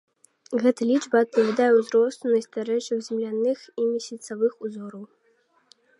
Гэта лічба адпавядае ўзросту найстарэйшых зямных і месяцавых узораў.